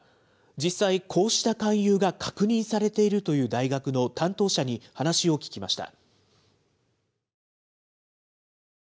実際、こうした勧誘が確認されているという大学の担当者に話を聞きました。